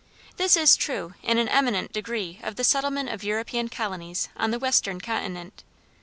This is true in an eminent degree of the settlement of European colonies on the western continent.